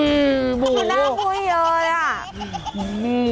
จัดกระบวนพร้อมกัน